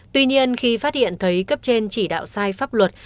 tuy nhiên khi phát hiện thấy cấp trên chỉ đạo sai pháp luật